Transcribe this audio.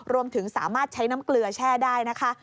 รวมถึงสามารถใช้น้ำเกลือแช่ได้นะคะ